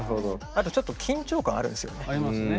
あとちょっと緊張感あるんですよね。ありますね。